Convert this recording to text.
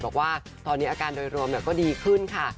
แล้วก็มาอัปเดตบอกว่าตอนนี้อาการโดยรวมก็ดีขึ้นค่ะ